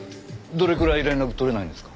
どれくらい連絡取れないんですか？